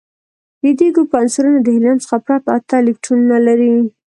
د دې ګروپ عنصرونه د هیلیم څخه پرته اته الکترونونه لري.